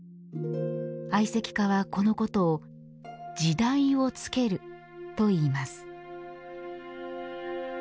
愛石家はこのことを「時代をつける」と言います。